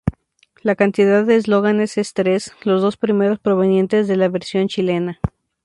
La cantidad de eslóganes es tres, los dos primeros provenientes de la versión chilena.